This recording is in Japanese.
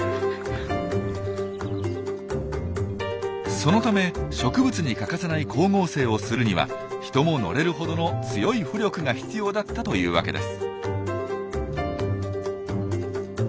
そのため植物に欠かせない光合成をするには人も乗れるほどの強い浮力が必要だったというわけです。